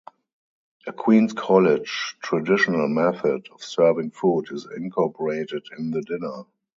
A Queen's College traditional method of serving food is incorporated in the dinner.